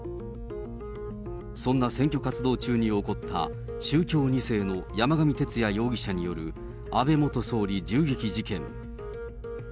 そんな選挙活動中に起こった宗教２世の山上徹也容疑者による、安倍元総理銃撃事件。